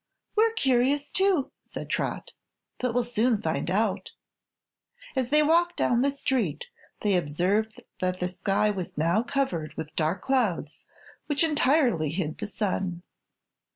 "We're curious, too," said Trot; "but we'll soon find out." As they walked down the street they observed that the sky was now covered with dark clouds, which entirely hid the sun.